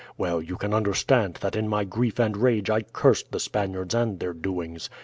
Well, you can understand that in my grief and rage I cursed the Spaniards and their doings.